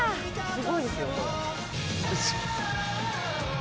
「すごいですよこれ」